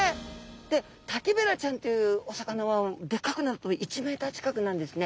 でタキベラちゃんというお魚はでかくなると１ｍ近くになるんですね。